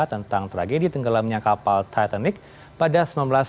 tentang tragedi tenggelamnya kapal titanic pada seribu sembilan ratus sembilan puluh